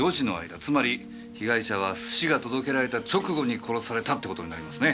つまり被害者は寿司が届けられた直後に殺されたってことになりますね。